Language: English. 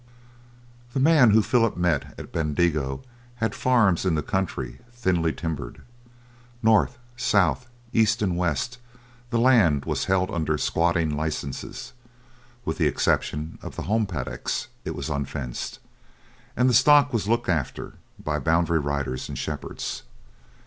The man whom Philip met at Bendigo had farms in the country thinly timbered. North, south, east, and west the land was held under squatting licenses; with the exception of the home paddocks it was unfenced, and the stock was looked after by boundary riders and shepherds.